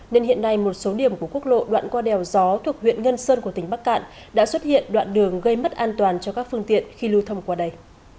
nên hiện nay một số điểm của quốc lộ đoạn qua đèo gió thuộc huyện ngân sơn của tỉnh bắc cạn đã xuất hiện đoạn đường gây mất an toàn cho các phương tiện khi lưu thông qua đây